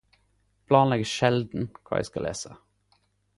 Eg planlegger sjelden kva eg skal lese.